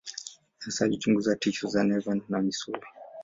Hasa alichunguza tishu za neva na misuli.